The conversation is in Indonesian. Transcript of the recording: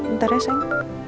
bentar ya sayang